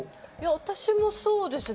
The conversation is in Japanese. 私もそうですね。